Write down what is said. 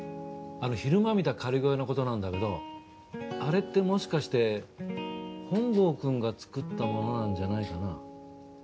あの昼間見た仮小屋のことなんだけどあれってもしかして本郷くんが作ったものなんじゃないかな？